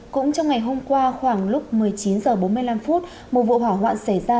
cũng trong ngày hôm qua khoảng lúc một mươi chín h bốn mươi năm một vụ hỏa hoạn xảy ra